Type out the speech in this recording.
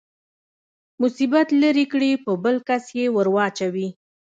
مصیبت لرې کړي په بل کس يې ورواچوي.